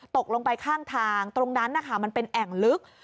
ตกลงไปข้างทางตรงนั้นนะคะมันเป็นแอ่งลึก